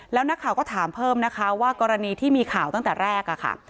แล้วนักข่าวก็ถามเพิ่มนะคะว่ากรณีที่มีข่าวตั้งแต่แรกค่ะ